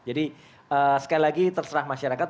jadi sekali lagi terserah masyarakat